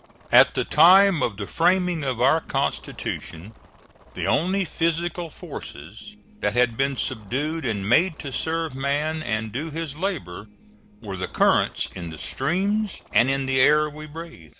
At the time of the framing of our constitution the only physical forces that had been subdued and made to serve man and do his labor, were the currents in the streams and in the air we breathe.